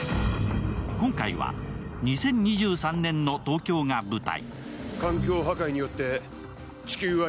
今回は２０２３年の東京が舞台。